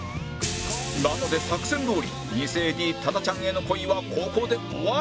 なので作戦どおり偽 ＡＤ 多田ちゃんへの恋はここで終わらせる！